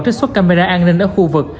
trích xuất camera an ninh ở khu vực